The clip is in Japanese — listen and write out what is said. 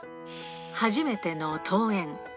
初めての登園。